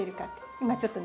今ちょっとね